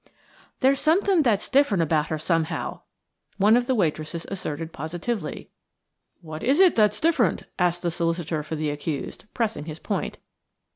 "There's something that's different about her somehow," one of the waitresses asserted positively. "What is it that's different?" asked the solicitor for the accused, pressing his point.